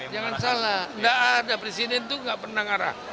jangan salah gak ada presiden itu gak pernah ngarah